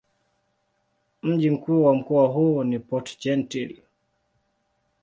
Mji mkuu wa mkoa huu ni Port-Gentil.